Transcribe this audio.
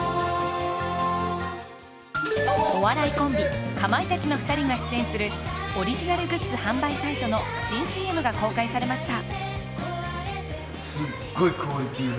お笑いコンビ、かまいたちの２人が出演するオリジナルグッズ販売サイトの新ＣＭが公開されました。